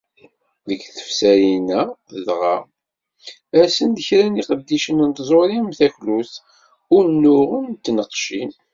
Deg tefsarin-a dɣa, rsen-d kra n yiqeddicen n tẓuri am taklut, unuɣen d tneqcin.